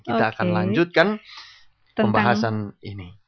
kita akan lanjutkan pembahasan ini